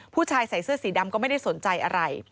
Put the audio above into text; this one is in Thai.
ผู้ชายใส่เสื้อสีดำก็ไม่ได้สนใจอะไร